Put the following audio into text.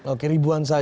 oke ribuan saja